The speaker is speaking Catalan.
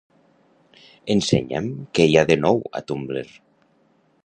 Ensenya'm què hi ha de nou a Tumblr.